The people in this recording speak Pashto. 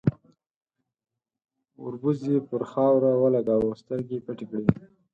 ، وربوز يې پر خاورو ولګاوه، سترګې يې پټې کړې.